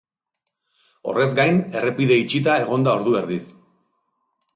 Horrez gain, errepide itxita egon da ordu erdiz.